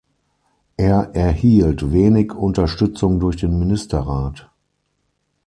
Er erhielt wenig Unterstützung durch den Ministerrat.